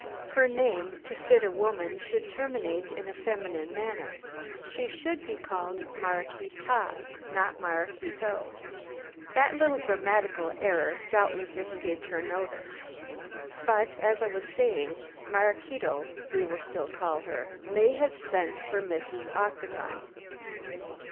Her name, to fit a woman, should terminate in a feminine manner. She should be called Maraquita, not Maraquito. That little grammatical error doubtless escaped her notice. But as I was saying, Maraquito we will still call her so may have sent for Mrs. Octagon."